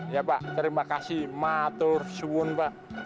iya pak terima kasih matur syuun pak